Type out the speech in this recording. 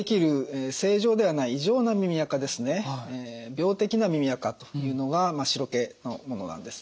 病的な耳あかというのが真っ白けのものなんです。